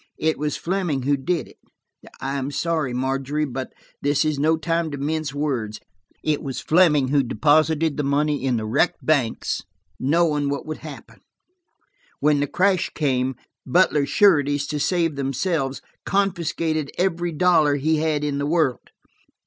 It was Fleming who did it–I am sorry, Margery, but this is no time to mince words. It was Fleming who deposited the money in the wrecked banks, knowing what would happen. When the crash came, Butler's sureties, to save themselves, confiscated every dollar he had in the world.